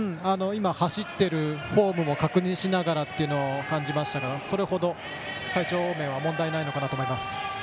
走っているフォームも確認しながらというのでそれ程、体調面は問題ないのかなと思います。